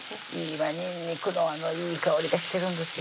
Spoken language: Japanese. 今にんにくのいい香りがしてるんですよ